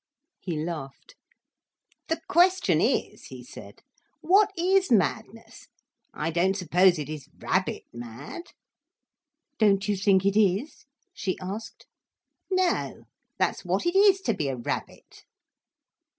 He laughed. "The question is," he said, "what is madness? I don't suppose it is rabbit mad." "Don't you think it is?" she asked. "No. That's what it is to be a rabbit."